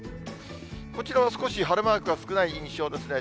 こちらは少し晴れマークが少ない印象ですね。